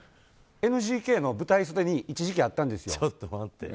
ＮＧＫの舞台袖に一時期あったんですよ。